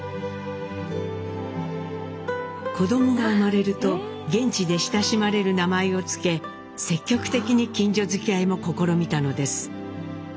子供が生まれると現地で親しまれる名前を付け積極的に近所づきあいも試みたのです。